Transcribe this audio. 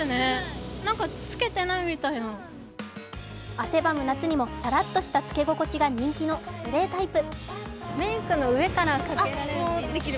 汗ばむ夏にもさらっとした付け心地が人気のスプレータイプ。